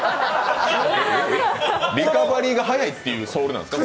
リカバリーが早いっていうソールなんですか？